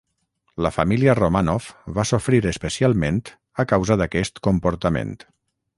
La família Romànov va sofrir especialment a causa d'aquest comportament.